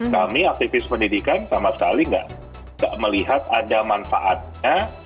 kami aktivis pendidikan sama sekali tidak melihat ada manfaatnya